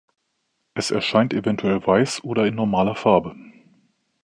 Es erscheint eventuell weiß oder in normaler Farbe.